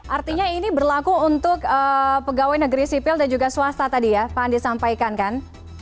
artinya ini berlaku untuk pegawai negeri sipil dan juga swasta tadi ya pak andi sampaikan kan